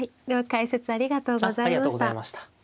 では解説ありがとうございました。